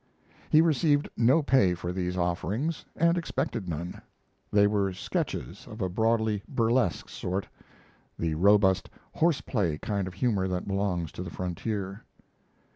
He received no pay for these offerings, and expected none. They were sketches of a broadly burlesque sort, the robust horse play kind of humor that belongs to the frontier.